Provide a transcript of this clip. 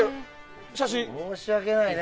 申し訳ないね。